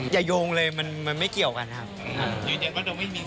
อย่ายงเลยมันไม่เกี่ยวกันนะครับ